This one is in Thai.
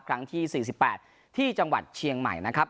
ครั้งที่๔๘ที่จังหวัดเชียงใหม่นะครับ